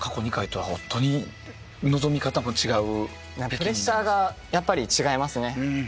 プレッシャーがやっぱり違いますね。